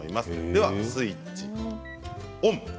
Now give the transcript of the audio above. ではスイッチオン。